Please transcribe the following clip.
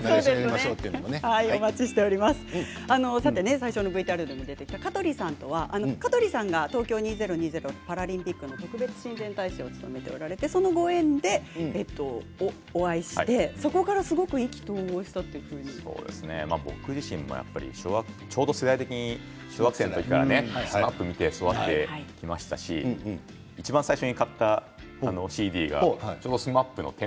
最初のＶＴＲに出てきた香取さんとは香取さんが東京２０２０パラリンピックの特別親善大使を務めておられてそのご縁でお会いしてそこからすごく意気投合したと僕自身もちょうど世代的に小学生の時からＳＭＡＰ見て育ってきましたしいちばん最初に買ったＣＤがＳＭＡＰの「１０＄」。